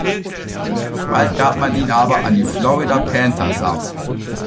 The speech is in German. Bald gab man ihn aber an die Florida Panthers ab.